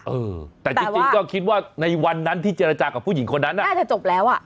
เออแต่จริงก็คิดว่าในวันนั้นที่เจรจากับผู้หญิงคนนั้นอ่ะน่าจะจบแล้วอ่ะ